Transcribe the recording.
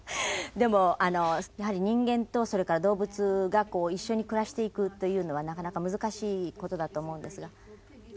でもやはり人間とそれから動物が一緒に暮らしていくというのはなかなか難しい事だと思うんですが。